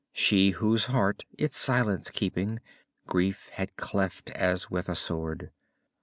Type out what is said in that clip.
She whose heart, its silence keeping. Grief had cleft as with a sword.